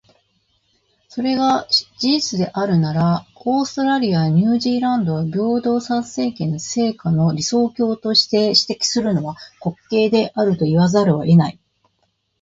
それが事実であるなら、オーストラリアやニュージーランドを平等参政権の成果の理想郷として指摘するのは、滑稽であると言わざるを得ない。